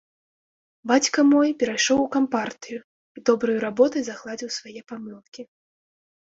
Бацька мой перайшоў у кампартыю і добраю работаю загладзіў свае памылкі.